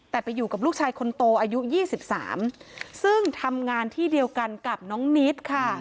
แต่ไปอยู่กับลูกชายคนโตอายุ๒๓ซึ่งทำงานที่เดียวกันกับน้องนิดค่ะ